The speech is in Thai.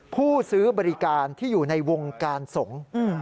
ผู้ซื้อบริการที่อยู่ในวงการสงฆ์